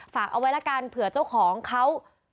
ฝากเอาไว้ละกันเผื่อเจ้าของเขา